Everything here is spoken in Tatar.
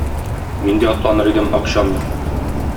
Мин дә атланыр идем - акчам юк.